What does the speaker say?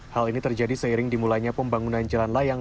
hal ini terjadi seiring dimulainya pembangunan jalan layang